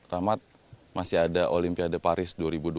rahmat masih ada olimpiade paris dua ribu dua puluh